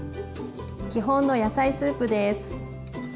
基本の野菜スープです。